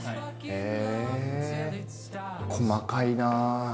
へぇ細かいなぁ。